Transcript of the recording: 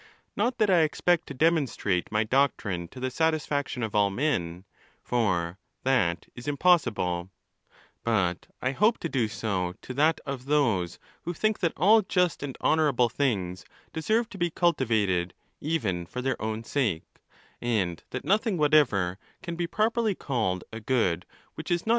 Not that I expect to demonstrate my doctrine to the satisfaction of all men, for that is impossible; but I hope to do so to that of those who think that all just and honourable things deserve to be cultivated even for their own sake, and that nothing whatever can be properly called a good which is not.